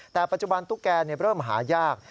แต่ปัจจุบันตุ๊กแกเริ่มหายาก